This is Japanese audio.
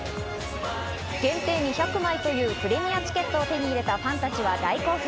限定２００枚というプレミアチケットを手に入れたファンたちは大興奮。